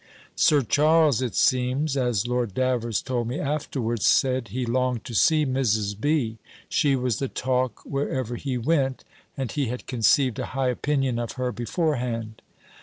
Sir Charles, it seems, as Lord Davers told me afterwards; said, he longed to see Mrs. B. She was the talk wherever he went, and he had conceived a high opinion of her beforehand.